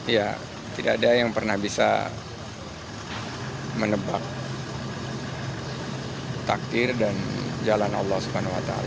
ya tidak ada yang pernah bisa menebak takdir dan jalan allah swt